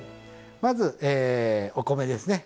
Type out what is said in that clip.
まずお米ですね。